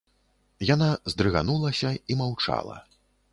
Яна здрыганулася і маўчала.